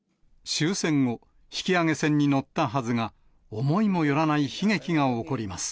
終戦後、引き揚げ戦に乗ったはずが思いもよらない悲劇が起こります。